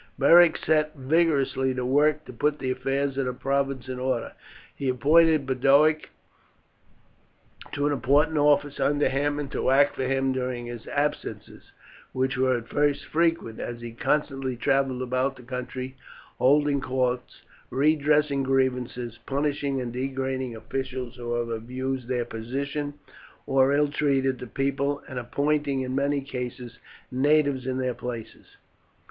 Beric set vigorously to work to put the affairs of the province in order; he appointed Boduoc to an important office under him, and to act for him during his absences, which were at first frequent, as he constantly travelled about the country holding courts, redressing grievances, punishing and degrading officials who had abused their position or ill treated the people, and appointing in many cases natives in their places.